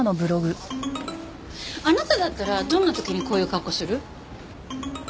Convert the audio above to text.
あなただったらどんな時にこういう格好する？